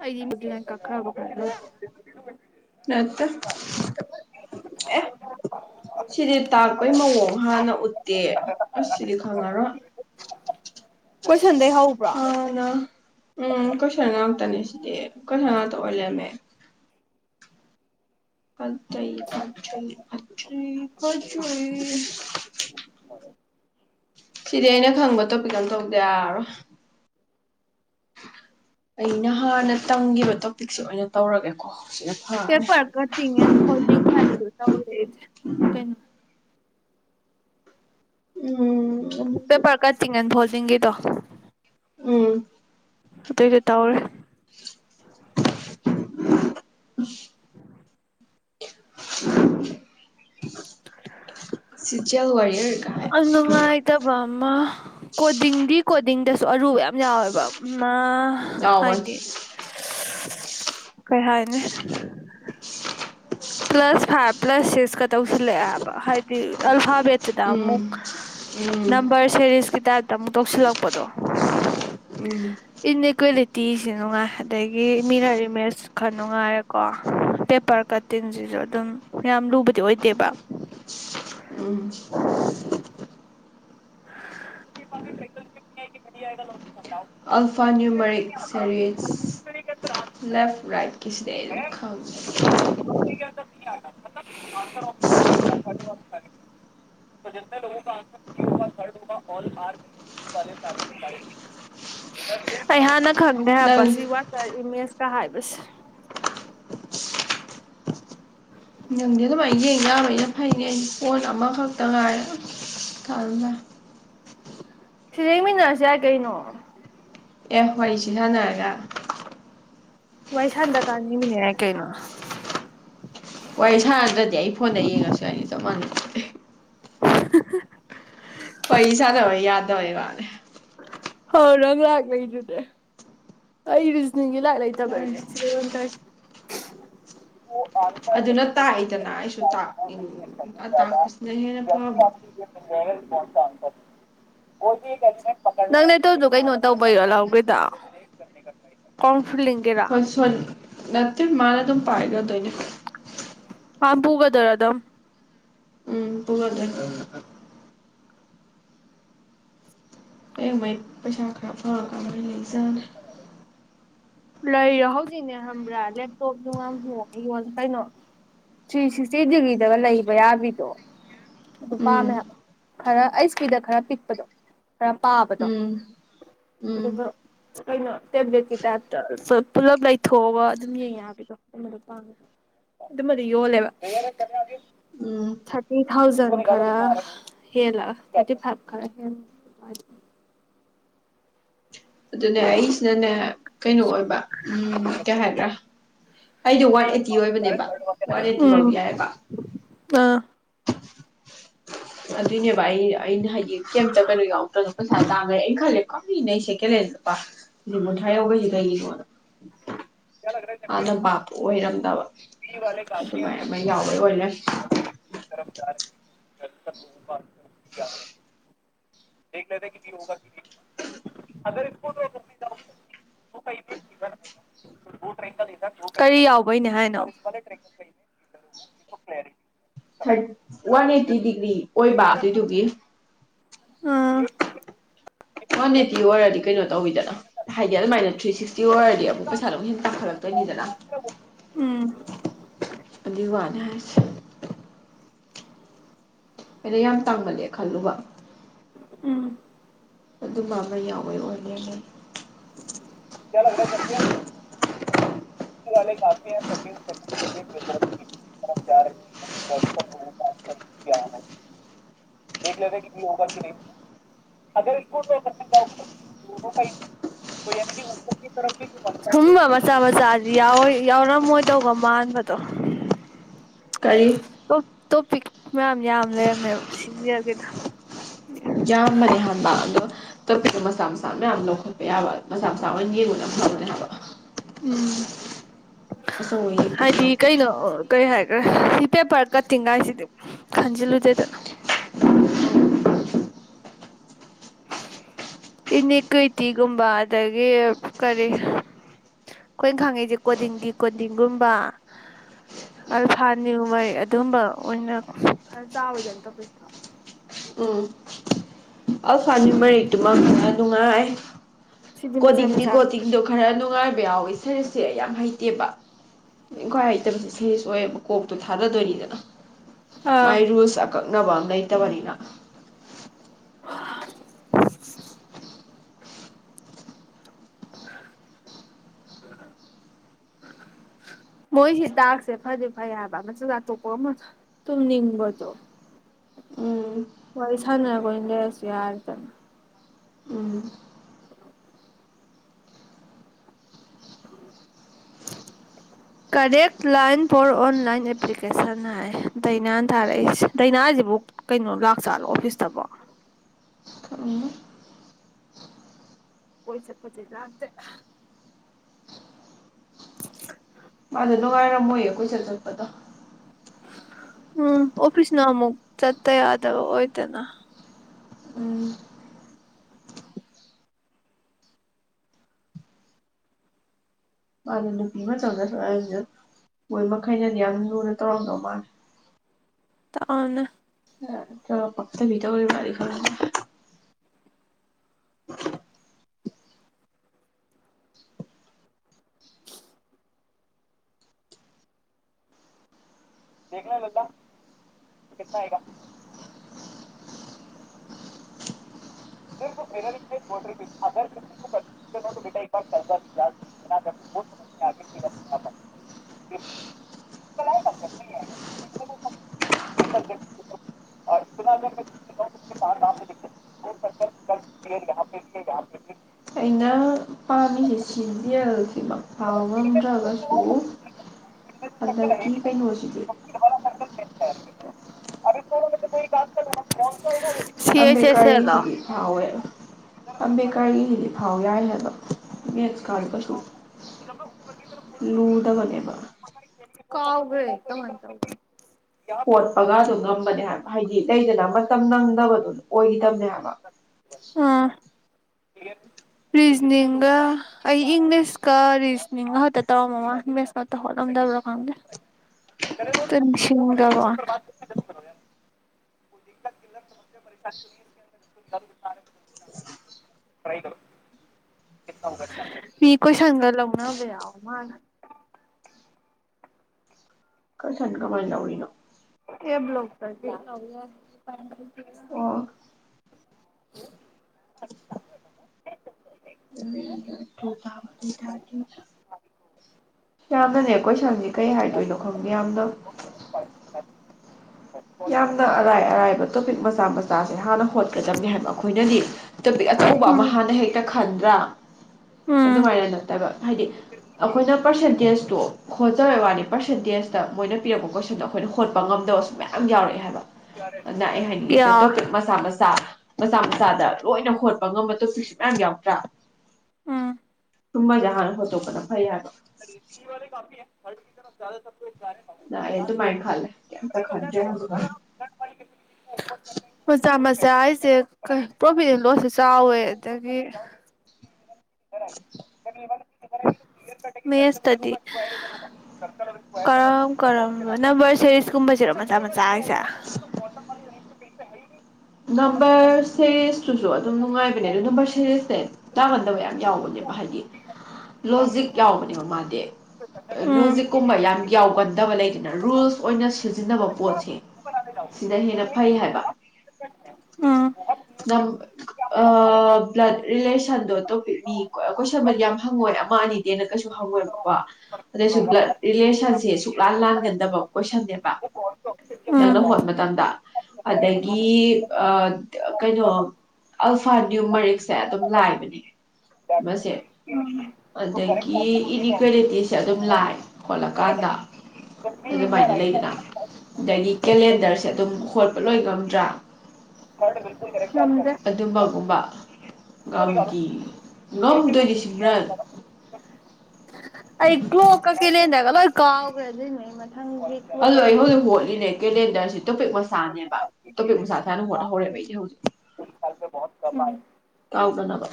ꯑꯩꯗꯤ ꯃꯗꯨꯅ ꯀꯛꯈ꯭ꯔꯕ ꯈꯜꯂꯨꯔꯦ ꯅꯠꯇ ꯑꯦ ꯁꯤꯗꯤ ꯇꯥꯛꯄꯩ ꯃꯑꯣꯡ ꯍꯥꯟꯅ ꯎꯠꯇꯦ ꯑꯁ ꯁꯤꯗꯤ ꯈꯪꯉꯔꯣꯏ ꯀꯣꯏ ꯆꯗꯩ ꯍꯕ꯭ꯔꯥ ꯍꯥꯟꯅ ꯎꯝ ꯀꯣꯏꯁꯟ ꯉꯥꯛꯇꯅꯦ ꯁꯤꯗꯤ ꯀꯣꯏꯁꯟ ꯉꯥꯛꯇ ꯑꯣꯏꯔꯝꯃꯦ ꯄꯠꯇ ꯄꯖꯩ ꯁꯨ ꯁꯤꯗꯤ ꯑꯩꯅ ꯈꯪꯕ ꯇꯣꯄꯤꯛ ꯑ ꯇꯧꯗ ꯌꯥꯔꯣ ꯑꯩꯅ ꯍꯥꯟꯅ ꯇꯝꯈꯤꯕ ꯇꯣꯄꯤꯛꯁꯦ ꯑꯣꯏꯅ ꯇꯧꯔꯒꯦꯀꯣ ꯁꯤꯅ ꯐꯔꯅꯤ ꯄꯦꯄꯔ ꯀꯠꯇꯤꯡ ꯑꯦꯟ ꯐꯣꯜꯗꯤꯡ ꯍꯥꯏꯕꯗꯣ ꯇꯧꯔꯦꯗꯤꯦ ꯀꯩꯅꯣ ꯎꯝ ꯄꯦ ꯄꯔꯀ ꯇ ꯣ ꯂꯤꯒꯤꯤꯗꯣ ꯎꯝ ꯑꯗꯨꯏꯗꯤ ꯇꯧꯔꯦ [unintelligible] ꯁꯤꯖꯤꯌꯥꯜ ꯋꯥꯔꯌꯔ ꯑꯃ ꯑꯥꯏꯇꯕ ꯑꯃ ꯀꯣꯗꯤꯡꯗꯤ ꯀꯣꯗꯤꯡꯗꯁꯨ ꯑꯔꯨꯕ ꯌꯥꯝ ꯌꯥꯎꯋꯦꯕ ꯃꯥ ꯑ ꯋꯥꯟ ꯍꯥꯏꯗꯤ ꯎ ꯄ꯭ꯂꯁ ꯐꯥꯏꯚ ꯄ꯭ꯂꯁ ꯁꯤꯛꯁꯀ ꯇꯧꯁꯤꯜꯂꯛꯑꯦꯕ ꯍꯥꯏꯗꯤ ꯑꯐ ꯦꯆꯗ ꯎꯝ ꯑꯃꯨꯛ ꯎꯝ ꯅꯝꯕꯝꯕꯔ ꯁꯦꯔꯤꯁ ꯀꯗ ꯇ ꯑꯃꯨꯛ ꯇꯧꯁꯤꯜꯂꯛꯄꯗꯣ ꯎꯝ ꯏꯟꯅꯦꯛ ꯀꯂꯤ ꯇꯤꯁꯤ ꯅꯨꯡꯉꯥꯏ ꯑꯗꯒꯤ ꯃꯤꯅ ꯏꯃꯦꯖ ꯈꯔ ꯅꯨꯡꯉꯥꯏꯔꯦꯀꯣ ꯄꯦꯄꯔ ꯀꯠ ꯇꯤꯟꯁꯤꯁꯨ ꯑꯗꯨꯝ ꯌꯥꯝ ꯂꯨꯕꯗꯤ ꯑꯣꯏꯗꯦꯕ ꯎꯝ ꯄꯦꯡ ꯃꯅꯤꯒꯤ ꯃꯔꯤ ꯍꯥꯏꯒꯂꯣ ꯑꯜꯐꯥ ꯅ꯭ꯌꯨꯃꯔꯤꯛ ꯁꯦꯔꯤꯁ ꯂꯦꯐ ꯔꯥꯏꯠꯀꯤꯁꯤꯗꯩ ꯑꯩ ꯑꯗꯨꯝ ꯈꯪꯉꯤ ꯟꯔ ꯑꯩꯍꯅ ꯈꯪꯗꯦ ꯅꯪ ꯍꯥꯏ ꯁꯤ ꯋꯥ ꯏꯃꯦ ꯀꯥ ꯁ ꯅꯪꯗꯦ ꯑꯗꯨꯃꯥꯏꯅ ꯌꯦꯡ ꯌꯥꯕꯩꯅ ꯐꯩꯅꯦ ꯑꯩ ꯄꯣꯟ ꯑꯃꯈꯛꯇ ꯉꯥꯏꯔ ꯈꯜꯂꯗ ꯁꯤ ꯌꯦꯡꯃꯤꯟꯅꯔꯁ ꯌꯥꯏ ꯀꯩꯅꯣ ꯑꯦ ꯋꯥꯔꯤꯁꯤ ꯁꯥꯟꯅꯔꯒ ꯃꯥꯏ ꯁꯥꯟꯗ ꯀꯥꯅꯤꯅꯦ ꯀꯩꯩꯅ ꯋꯥꯔꯤ ꯁꯥꯥꯟꯅꯗ꯭ꯔꯗꯤ ꯑꯩ ꯐꯣꯟꯗ ꯌꯦꯡꯉꯁꯨ ꯌꯥ ꯍꯥꯏꯅꯤ ꯆꯞ ꯃꯥꯟꯅꯩ [inaudible] ꯄꯩꯁꯥꯗ ꯌꯥꯗꯧꯋ ꯋꯥꯔ ꯍꯥꯎ ꯅꯪ ꯂꯒꯂ ꯏꯗꯨꯗꯦ ꯑꯩꯁꯅꯤ ꯂꯥꯏꯔꯥꯏ ꯕꯩꯅꯦ ꯇꯧꯔꯤꯁꯦ ꯁꯔꯤ ꯑꯣ ꯑꯗꯨꯅ ꯇꯥꯛꯏꯗꯅ ꯑꯩꯁꯨꯥꯛ ꯇꯥꯛꯄꯁꯤꯅ ꯍꯦꯟꯅ ꯐꯕ ꯅꯪ ꯅꯇꯣꯁꯨ ꯀꯩꯅꯣ ꯇꯧꯕꯩꯔꯣ ꯂꯧꯥꯎꯒꯦꯗ ꯀ ꯍꯣꯏꯁꯣꯟ ꯅꯠꯇꯦ ꯃꯥꯅ ꯑꯗꯨꯝ ꯄꯥꯏꯒꯗꯣꯏꯅꯤꯣ ꯑ ꯄꯒꯗꯔꯥꯗꯥꯝ ꯎꯝ ꯄꯨꯒꯗ꯭ꯔꯦ ꯍ ꯃꯩ ꯄꯩꯁꯥ ꯑꯐ ꯀꯃꯥꯏ ꯂꯩ ꯆꯅ ꯂꯩꯔꯣ ꯍꯧꯖꯤꯛꯅꯦ ꯈꯕ꯭ꯔꯥ ꯂꯦꯞꯇꯣꯞꯁꯨ ꯉꯊꯣꯡꯉ ꯌ ꯀꯩꯅꯣ ꯊ꯭ꯔꯤ ꯁꯤꯛꯁꯇꯤ ꯗꯤꯒ꯭ꯔꯤꯗꯒ ꯂꯩꯕ ꯌꯥꯕꯤꯗꯣ ꯑꯗꯨ ꯄꯥꯝꯃꯦ ꯎꯝ ꯈꯔ ꯑꯩꯆ ꯄꯤꯗ ꯈꯔ ꯄꯤꯛꯄꯗꯣ ꯈꯔ ꯄꯥꯕꯗꯣ ꯎꯝ ꯎꯝ ꯑꯗꯨꯒ ꯀꯩꯅꯣ ꯇꯦꯕ꯭ꯂꯦꯠꯀꯤ ꯇꯥꯏꯞꯇ ꯄꯨꯂꯞ ꯂꯩꯊꯣꯛꯑꯒ ꯑꯗꯨꯝ ꯌꯦꯡꯉꯦꯕꯗꯣ ꯑꯗꯨꯝꯕꯗꯣ ꯄꯥꯝꯉ ꯑꯗꯨꯝꯕꯗꯤ ꯌꯣꯜꯂꯦꯕ ꯎꯝ ꯊꯥꯔꯇꯤ ꯊꯥꯎꯖꯟ ꯈꯔ ꯍꯦꯂ ꯊꯇꯤ ꯐꯚ ꯈ ꯍ ꯑꯗꯨꯅꯦ ꯑꯩꯁꯤꯅꯅꯦ ꯀꯩꯅꯣ ꯑꯣꯏꯕ ꯎꯝ ꯀꯩ ꯍꯥꯏꯗ꯭ꯔꯥ ꯑꯩꯗꯤ ꯋꯥꯟ ꯑꯦꯠꯇꯤ ꯑꯣꯏꯕꯅꯦꯕ ꯋꯥꯟ ꯑꯦꯠꯇꯤ ꯎꯝ ꯐꯥꯎꯗꯤ ꯌꯥꯏꯕ ꯑꯥ ꯑꯗꯨꯏꯅꯦꯕ ꯑꯩ ꯑꯩꯅ ꯍꯥꯏꯌꯦꯗꯤ ꯀꯩꯝꯇ ꯀꯩꯅꯣ ꯌꯥꯎꯗ꯭ꯔꯗ ꯄꯩꯁꯥ ꯇꯥꯈ꯭ꯔꯦ ꯑꯩ ꯈꯜꯂꯦ ꯀꯣꯅꯦ ꯑꯩꯁꯦ ꯀꯦ ꯂꯩ ꯄ ꯁꯤ ꯀꯨꯟꯊ꯭ꯔꯥ ꯌꯧꯧꯕꯩꯁꯤꯦ ꯀꯩꯒꯤꯅꯣꯗ ꯑꯗꯣ ꯕꯥꯞ ꯑꯣꯏꯔꯝ ꯑ ꯄꯦ ꯀꯥꯐꯤ ꯍꯥꯏ ꯂꯩꯔꯝꯃꯦ ꯇ ꯀꯔ ꯆꯔ ꯀ ꯀꯕ ꯍꯥꯏ ꯄꯂ ꯇꯔꯦ ꯀꯄꯅꯦ ꯀꯂꯦꯔꯤ ꯊ ꯋꯥꯟ ꯍꯦ ꯀꯗꯔꯤ ꯑꯣꯏ ꯕꯥꯇꯗꯨꯒ ꯑꯥ ꯍ ꯅꯗꯤ ꯋꯥꯔꯗꯤ ꯀꯩꯅꯣ ꯇꯧꯋꯤꯗꯅ ꯍꯥꯏꯗꯤ ꯑꯗꯨꯃꯥꯏꯅ ꯊ꯭ꯔꯤ ꯁꯤꯛꯁꯇꯤ ꯑꯣꯏꯔꯗꯤ ꯑꯃꯨꯛ ꯄꯩꯁꯥ ꯑꯗꯨꯝ ꯍꯦ ꯇꯥꯈꯠꯂꯛꯇꯣꯏꯅꯤꯗꯅ ꯎꯝ ꯑꯗꯤꯋꯥꯗ ꯍꯥꯏ ꯑꯩꯅ ꯌꯥꯝ ꯇꯥꯡꯒꯜꯂꯦ ꯈꯜꯂꯨꯕ ꯎꯝ ꯑꯗꯨꯝꯕ ꯑꯃ ꯌꯥꯎꯋꯦ ꯑꯣꯅꯦꯦꯅꯦ ꯀꯂ ꯀ ꯆꯄꯤꯦ ꯦ ꯀꯥꯐꯔ ꯁꯨꯝꯕ ꯃꯆꯥ ꯃꯆꯥꯁꯤ ꯌꯥꯎꯔꯝꯃꯣꯏꯗꯧꯕꯒ ꯃꯥꯟꯕꯗꯣ ꯀꯔꯤ ꯇꯣꯄꯤꯛ ꯃꯌꯥꯝ ꯌꯥꯝ ꯂꯩꯔꯝꯃꯦꯕ ꯁꯤꯟꯖꯔꯒꯦꯗ ꯌꯥꯝ ꯃꯦ ꯍꯥꯟꯕ ꯑꯗꯣ ꯆꯠꯄꯗ ꯃꯆꯥ ꯃꯆꯥ ꯃꯌꯥꯝ ꯂꯧꯈꯠꯄ ꯌꯥꯕ ꯃꯆꯥ ꯃꯆꯥꯥ ꯃ ꯌꯦꯡꯕꯅ ꯐꯪꯕꯅꯦ ꯍꯥꯏꯕ ꯎꯝ ꯑꯆꯧꯕ ꯌꯦꯡꯗꯧ ꯍꯥꯏꯗꯤ ꯁꯔꯨꯛꯇꯤ ꯀꯩꯅꯣ ꯀꯩ ꯍꯥꯏ ꯁꯤ ꯄꯦꯄꯔ ꯀꯠꯇꯤꯡꯉꯥꯏꯁꯤꯗꯤ ꯈꯟꯖꯤꯜꯂꯨꯗꯦꯗꯅ ꯏꯅꯤꯀ꯭ꯋꯤꯇꯤꯒꯨꯝꯕ ꯑꯗꯒꯤ ꯀꯔꯤ ꯑꯩꯈꯣꯏꯅ ꯈꯪꯉꯤꯁꯦ ꯀꯣꯗꯤꯡꯗꯤ ꯀꯣꯗꯤꯡꯒꯨꯝꯕ ꯑꯜꯐꯥꯅꯤꯌꯨ ꯃꯔꯤ ꯑꯗꯨꯝꯕ ꯑꯣꯏꯅ ꯈꯔ ꯆꯥꯎꯋꯤꯗ ꯇꯧ ꯑꯜꯐꯥꯅꯤ ꯃꯔꯔꯤꯛꯇꯨꯃꯛꯅ ꯅꯨꯡꯉꯥꯏ ꯁꯤꯗꯤ ꯃꯆꯥ ꯀꯣꯗꯤꯤꯡꯗꯤ ꯃꯆꯥ ꯀꯣꯗꯤꯤꯡꯗꯣ ꯈꯔ ꯅꯨꯡꯉꯥꯏꯕ ꯌꯥꯎꯋꯁꯦ ꯁꯦꯔꯤꯁꯁꯦ ꯌꯥꯝ ꯍꯩꯇꯦꯕ ꯏ ꯈ꯭ꯋꯥꯏ ꯍꯩꯇꯕꯁꯦ ꯁꯔꯤꯁ ꯑꯣꯏꯌꯦꯕ ꯀꯣꯛꯇꯣ ꯊꯥꯗꯗꯣꯏꯔꯤꯗꯅ ꯑꯥ ꯃꯥꯏꯔꯨꯁ ꯑꯀꯛꯅꯕ ꯅꯩꯇ ꯃꯅꯤꯔ ꯃꯣꯏꯁꯤ ꯗꯥꯛꯁꯦ ꯐꯗꯤ ꯐꯩ ꯍꯥꯏꯕ ꯃꯆꯆꯥ ꯑꯥꯛꯇꯣꯛꯄ ꯑꯃ ꯇꯨꯝꯅꯤꯡꯕꯗꯣ ꯎꯝ ꯋꯥꯔꯤ ꯁꯥꯟꯅꯔꯒ ꯑꯣꯏꯅ ꯂꯩꯔꯁꯨ ꯌꯥꯔꯗꯅ ꯎꯝ correct line for online application ꯍꯥꯏ ꯗꯥꯏꯅꯥꯅ ꯊꯥꯔꯛꯏꯁ ꯗꯥꯏꯅꯥꯁꯤꯕꯨ ꯀꯩꯅꯣ ꯂꯥꯛ ꯆꯥꯠꯂꯣ ꯑꯣꯐꯤꯁꯇꯕꯣ ꯈꯪꯉꯦ ꯑꯣꯏꯣꯏ ꯆꯠꯄ ꯆ ꯂꯗ ꯃꯥꯗꯣ ꯅꯨꯡꯉꯥꯏꯔꯝꯃꯣꯏꯌꯦ ꯀꯣꯏꯆꯠ ꯆꯠꯄꯗꯣ ꯎꯝ ꯑꯣꯐꯤꯁꯅ ꯑꯃꯨꯛ ꯆꯠꯠꯇ ꯌꯥꯗꯕ ꯑꯣꯏꯗꯦꯅ ꯎꯝ ꯃꯥꯗ ꯅꯨꯄꯤ ꯃꯇꯝꯗꯁꯨ ꯑꯩꯁꯨ ꯃꯣꯏ ꯃꯈꯩꯅꯗꯤ ꯌꯥꯝ ꯂꯨꯅ ꯇꯧꯔꯝꯗꯧ ꯃꯥꯜꯂꯤ [unintelligible] [unintelligible] [unintelligible] [unintelligible] ꯑꯩꯅ ꯄꯥꯝꯃꯤꯁꯦ ꯁꯤꯖꯦꯜꯁꯤꯃꯛ ꯐꯥꯎ ꯉꯝꯗ꯭ꯔꯒꯁꯨ ꯍꯟꯗꯛꯀꯤ ꯀꯩꯅꯣꯁꯤꯗꯤ ꯁꯤ ꯑꯩꯁ ꯑꯦꯁ ꯑꯦꯜꯂꯣ ꯑꯝꯗꯦꯀꯥꯔꯒꯤꯁꯤꯒꯤ ꯊꯑꯣꯋꯦ ꯑꯝꯕꯦꯗꯀ꯭ꯔꯒꯤ ꯍꯤꯗꯤꯐꯥꯎ ꯌꯥꯔꯤ ꯍꯥꯏꯕ ꯃꯦꯠꯁ ꯀꯥ ꯀꯩ ꯁꯨ ꯂꯨꯗꯕꯅꯦꯕ ꯀꯥꯎꯒ꯭ꯔ‌ꯦ ꯀꯃꯥꯏ ꯇꯧꯕꯅꯣ ꯀꯣꯠꯄꯒꯁꯨ ꯉꯝꯕꯅꯦ ꯍꯥꯏ ꯍꯥꯏꯗꯤ ꯂꯩꯗꯅ ꯃꯇꯝ ꯅꯪꯗꯕꯗꯨꯅ ꯑꯣꯏꯈꯤꯗꯗꯝꯅꯦ ꯍꯥꯏꯕ ꯑꯥ ꯔꯤꯖꯅꯤꯡꯒ ꯑꯩ ꯏꯪꯂꯤꯁꯀ ꯔꯤꯖꯅꯤꯡꯒ ꯈꯛꯇ ꯇꯧꯔꯝꯃꯃꯣ ꯏꯪꯦꯁ ꯉꯥꯛꯇ ꯍꯣꯠꯂꯝꯝꯗꯕ꯭ꯔꯣ ꯈꯪꯗꯦ ꯅꯤꯡꯁꯤꯡꯗꯕ ꯃꯤ ꯀꯣꯏꯁꯪꯒ ꯂꯧꯅꯕ ꯌꯥꯑꯣ ꯃꯥ ꯀꯣꯏꯁꯟ ꯀꯃꯥꯏꯅ ꯂꯧꯔꯤꯅꯣ ꯑꯦ ꯕ꯭ꯂ‌ꯣꯛ ꯇꯥꯒꯤ ꯑꯣ ꯌꯥꯝꯅꯅꯦ ꯀꯣꯏꯁꯟꯁꯦ ꯀꯩ ꯍꯥꯏꯗꯣꯏꯅꯣ ꯈꯪꯗꯦ ꯌꯥꯝꯅꯣ ꯄ ꯌꯥꯝꯅ ꯑꯔꯥꯏ ꯑꯔꯥꯏꯕ ꯇꯣꯄꯤꯛ ꯃꯆꯥ ꯃꯆꯥꯁꯦ ꯍꯥꯟꯅ ꯍꯣꯠꯀꯗꯕꯅꯤ ꯍꯥꯏꯕ ꯑꯩꯈꯣꯏꯅꯗꯤ ꯇꯣꯄꯤꯛ ꯑꯆꯧꯕ ꯑꯃ ꯎꯝ ꯍꯥꯟꯅ ꯍꯦꯛꯛꯇ ꯈꯟꯗ꯭ꯔ ꯎꯝ ꯑꯗꯨꯃꯥꯏꯅ ꯅꯠꯇꯕ ꯍꯥꯏꯗꯤ ꯑꯩꯈꯣꯏꯅ ꯄ꯭ꯔꯁꯦꯟꯇꯦꯖꯇꯣ ꯍꯣꯠꯆꯔꯏ ꯋꯥꯅꯤ ꯄꯔꯁꯦꯟꯇꯦꯖꯇ ꯃꯣꯏꯅ ꯄꯤꯛꯄ ꯀꯣꯏꯁꯟꯗꯣ ꯑꯩꯈꯣꯏꯅ ꯍꯣꯠꯄ ꯉꯝꯗꯕꯁꯨ ꯃꯌꯥꯝ ꯌꯥꯝ ꯌꯥꯎꯔꯛꯑꯦ ꯍꯥꯏꯕ ꯑꯗꯨꯅ ꯑꯩ ꯍꯥꯏꯅꯤꯡꯉꯤꯁꯤꯅ ꯌꯥ ꯇꯣꯄꯤꯛ ꯃꯆꯥ ꯃꯆꯥ ꯃꯆꯥ ꯃꯆꯥꯗ ꯂꯣꯏꯅ ꯍꯣꯠꯄ ꯉꯝꯕ ꯇꯣꯄꯤꯁꯨ ꯃꯌꯥꯝ ꯌꯥꯎꯗ꯭ꯔꯥ ꯎꯝ ꯇꯨꯝꯕꯁꯦ ꯍꯥꯟꯅ ꯍꯣꯠꯇꯣꯛꯄꯅ ꯐꯩ ꯍꯥꯏꯗꯣ ꯑꯦꯇꯤ ꯋꯥꯦ ꯀꯣꯄꯤꯤ ꯍꯔꯀꯤ ꯇꯔ ꯁꯞ ꯅ ꯑꯩ ꯇꯣ ꯄꯥꯏ ꯈꯦ ꯀꯇ ꯈꯔꯗꯦ ꯆꯆꯥ ꯍꯥꯏꯁꯦ ꯄ꯭ꯔꯣꯐꯤꯠ ꯑꯦꯟ ꯂꯣꯁꯁꯨꯦ ꯆꯥꯎꯋꯦ ꯑꯗꯒꯤ ꯐꯔ ꯀꯕ ꯃꯦꯠꯁꯇꯗꯤ ꯀꯔꯝ ꯀꯔꯝꯕꯅꯣ ꯅꯝꯕꯔ ꯁꯦꯔꯤꯁꯀꯨꯝꯕꯁꯤꯔꯣ ꯃꯆꯥ ꯃꯆꯥ ꯍꯥꯏꯁꯦ ꯅꯝꯕꯝꯕꯔ ꯁꯤꯛꯁ ꯁꯨꯁꯨ ꯑꯗꯨꯝ ꯅꯨꯡꯉꯥꯏꯕꯅꯦ ꯑꯗꯨꯗ ꯅꯝꯕꯔ ꯁꯦꯔꯦꯁꯦ ꯇꯥꯒꯟꯗꯕ ꯌꯥꯝ ꯌꯥꯎꯕꯅꯦꯕ ꯍꯥꯏꯗꯤ ꯂꯣꯖꯤꯛ ꯌꯥꯎꯕꯅꯦꯕ ꯃꯥꯗꯤ ꯎꯝ ꯂꯣꯖꯤꯛꯀꯨꯝꯕ ꯌꯥꯝ ꯌꯥꯎꯒꯟꯗꯕ ꯂꯩꯗꯅ ꯔꯨꯜꯁ ꯑꯣꯏꯅ ꯁꯤꯖꯤꯟꯅꯕ ꯄꯣꯠꯁꯦ ꯁꯤꯅ ꯍꯦꯟꯅ ꯐꯩ ꯍꯥꯏꯕ ꯑꯝ ꯑ ꯕ꯭ꯂꯠ ꯔꯤꯂꯦꯁꯟꯗꯣ ꯇꯣꯄꯤꯛꯅꯤ ꯀꯣꯏꯁꯟꯕꯗꯤ ꯌꯥꯝ ꯍꯪꯉꯣꯏ ꯑꯃ ꯑꯅꯤꯗꯩꯅ ꯀꯩꯁꯨ ꯍꯪꯉꯣꯏꯕꯀꯣ ꯑꯗꯨꯗꯩꯁꯨ ꯕ꯭ꯂꯠ ꯔꯤꯂꯦꯁꯟꯁꯦ ꯁꯨꯛ ꯂꯥꯟ ꯂꯥꯟꯒꯟꯗꯕ ꯀꯣꯏꯁꯟꯅꯦꯕ ꯎꯝ ꯅꯪꯅ ꯍꯣꯠ ꯃꯇꯝꯗ ꯑꯗꯒꯤ ꯀꯩꯅꯣ ꯐꯟꯅ ꯌꯨꯝ ꯃꯔꯤꯛꯁꯦ ꯑꯗꯨꯝ ꯂꯥꯏꯕꯅꯦ ꯃꯁꯦ ꯑꯗꯒꯤ ꯏꯟꯏꯀ꯭ꯋꯦꯂꯤꯇꯤꯁꯦ ꯑꯗꯨꯝ ꯂꯥꯏ ꯈꯣꯠꯂꯀꯥꯟꯗ ꯑꯗꯨꯃꯥꯏꯅ ꯂꯩꯗꯅ ꯑꯗꯒꯤ ꯀꯦꯂꯦꯟꯗꯔꯁꯦ ꯑꯗꯨꯝ ꯍꯣꯠꯄ ꯂꯣꯏ ꯉꯝꯗ꯭ꯔꯥ [unintelligible] ꯑꯗꯨꯝꯕꯒꯨꯝꯕ ꯉꯝꯗꯤ ꯉꯝꯗꯣꯏꯔꯤꯁꯤꯕ꯭ꯔꯜ ꯑꯩ ꯀ꯭ꯂꯣ [unintelligible] ꯀꯥꯎꯒꯔ꯭ꯦꯗ [unintelligible] ꯀꯦꯂꯦꯟꯗꯥ ꯁꯤ ꯇꯣꯄꯤꯛ ꯃꯆꯥꯅꯦꯕ ꯇꯣꯄꯤꯛ ꯃꯆꯥ ꯁꯥꯏꯅ ꯍꯣꯠꯅꯍꯧꯔꯛꯑꯦꯕ ꯑꯩꯁꯦ ꯍꯧꯖꯤꯛ ꯎꯝ ꯀꯥꯎꯗꯅꯕ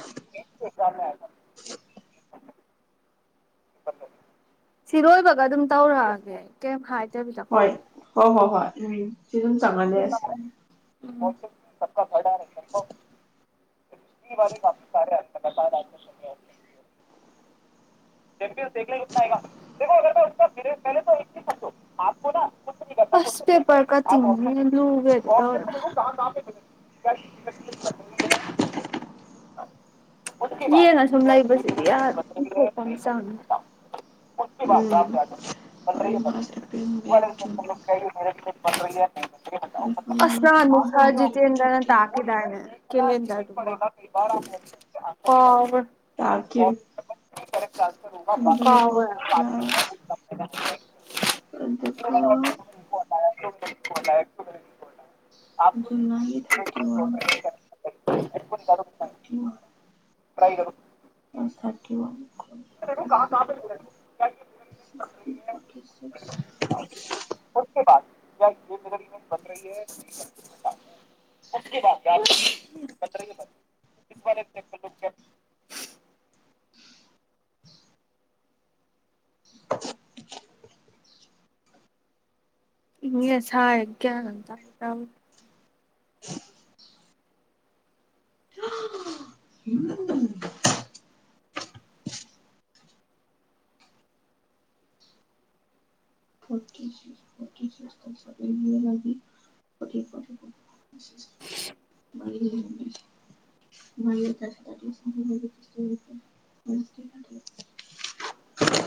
ꯁꯤ ꯂꯣꯏꯕꯒ ꯑꯗꯨꯝ ꯇꯧꯔꯛꯑꯒꯦ ꯀꯩ ꯍꯣꯏ ꯍ ꯍꯣ ꯍꯣꯏ ꯁꯤ ꯑꯗꯨꯝ ꯆꯪꯍꯜꯂꯦꯁꯦ ꯈꯔ ꯏ ꯃꯥꯅꯤ ꯀꯄꯤ ꯁꯔꯦ ꯍꯥꯏꯦ [unintelligible] ꯌꯦꯡꯉ ꯁꯨꯝ ꯂꯩꯕꯁꯤꯗꯤ ꯌꯥꯗ ꯊꯣꯛꯄ ꯆꯪꯉ ꯎꯝ ꯀ ꯃꯆ ꯑꯦꯄ꯭ꯔꯜ ꯃꯦ ꯖꯨꯟ ꯄꯠꯇ꯭ꯌꯦ ꯐꯦꯕꯋꯥꯔꯤ ꯃꯥꯔꯆ ꯑꯦꯄ꯭ꯔꯤꯜ ꯃꯦ ꯑꯁꯁꯥ ꯖꯨꯟ ꯇꯦꯟꯗ꯭ꯔꯅ ꯊꯥꯔꯇꯤ ꯇ ꯀꯦꯗ ꯀꯦꯂꯡꯔꯡ ꯑꯣ ꯇꯥꯀꯤ ꯇ ꯀꯥꯎꯒ꯭ꯔꯦ ꯀꯣꯥꯁ ꯑꯗꯨꯀ [unintelligible] [unintelligible] ꯀꯩꯘꯅꯣ ꯇꯥꯇꯣꯟ [unintelligible] ꯌꯥꯗ ꯄꯊꯔꯦ [unintelligible] [unintelligible] [unintelligible] [inaudible]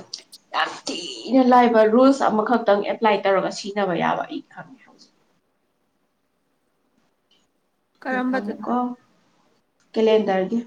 ꯌꯥꯝ ꯊꯤꯅ ꯂꯥꯏꯕ ꯔꯨꯜꯁ ꯑꯃꯈꯛꯇꯪ ꯑꯦꯄ꯭ꯂꯥꯏ ꯇꯧꯔꯒ ꯁꯤꯖꯤꯟꯅꯕ ꯌꯥꯕ ꯑꯩ ꯈꯪꯉꯦ ꯍꯧꯖꯤꯛ ꯀꯔꯝꯕꯗꯅꯣ ꯁꯤꯖꯦꯈꯪꯉꯦꯀꯣ ꯍꯥꯏ ꯀꯦꯂꯦꯟꯗꯔꯒꯤ